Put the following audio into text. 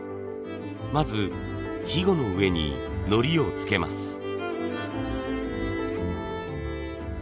まずひごの上にのりをつけます。